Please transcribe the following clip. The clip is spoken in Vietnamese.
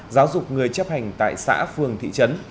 giáo dục người chấp hành tại xã phường thị trấn